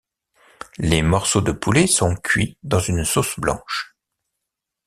Les morceaux de poulet sont cuits dans une sauce blanche.